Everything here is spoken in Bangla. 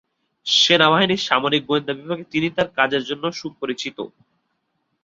সেনাবাহিনীর সামরিক গোয়েন্দা বিভাগে তিনি তার কাজের জন্য সুপরিচিত।